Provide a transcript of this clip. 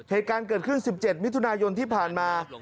เหตุการณ์เกิดขึ้น๑๗มิถุนายนที่ผ่านมา